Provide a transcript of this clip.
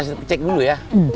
sebentar kita cek dulu ya